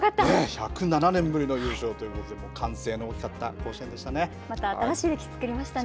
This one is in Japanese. １０７年ぶりの優勝ということで、歓声の大きかった甲子園でまた新しい歴史作りましたね。